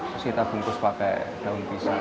terus kita bungkus pakai daun pisang